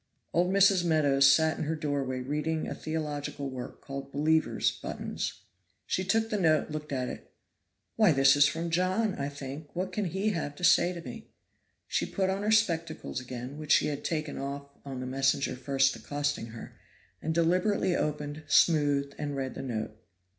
Old Mrs. Meadows sat in her doorway reading a theological work called "Believers' Buttons." She took the note, looked at it. "Why, this is from John, I think; what can he have to say to me?" She put on her spectacles again, which she had taken off on the messenger first accosting her, and deliberately opened, smoothed and read the note.